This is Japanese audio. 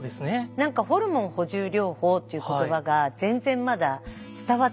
何かホルモン補充療法っていう言葉が全然まだ伝わってなくて。